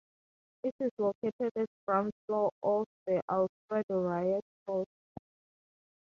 It is located at the Ground Floor of the Alfredo Reyes Hall.